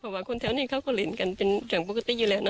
เพราะว่าคนแถวนี้เขาก็เล่นกันเป็นอย่างปกติอยู่แล้วเน